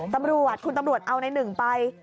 ตำรวจคุณตำรวจเอาในหนึ่งไป